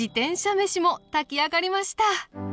めしも炊き上がりました。